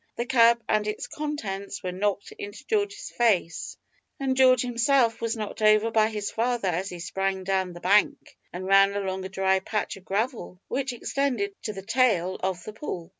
The cup and its contents were knocked into George's face, and George himself was knocked over by his father as he sprang down the bank, and ran along a dry patch of gravel, which extended to the tail of the pool.